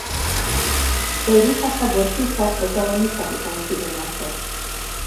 Euri-jasa bortitzak protagonistak izan ziren atzo.